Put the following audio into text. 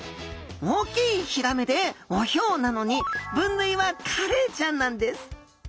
「大きい鮃」で「オヒョウ」なのに分類はカレイちゃんなんです。